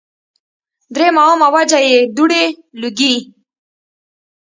دريمه عامه وجه ئې دوړې ، لوګي